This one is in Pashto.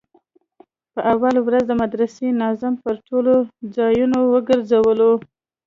په اوله ورځ د مدرسې ناظم پر ټولو ځايونو وگرځولو.